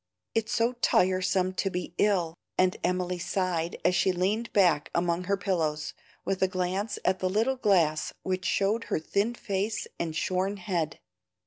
It's so tiresome to be ill!" and Emily sighed as she leaned back among her pillows, with a glance at the little glass which showed her a thin face and shorn head.